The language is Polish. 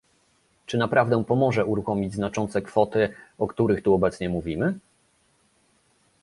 Czy naprawdę pomoże uruchomić znaczące kwoty, o których tu obecnie mówimy?